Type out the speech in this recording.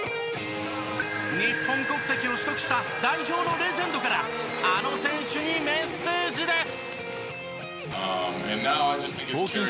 日本国籍を取得した代表のレジェンドからあの選手にメッセージです！